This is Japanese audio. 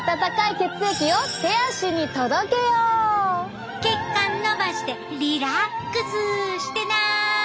血管のばしてリラックスしてな！